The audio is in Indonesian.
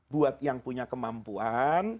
buat yang punya kemampuan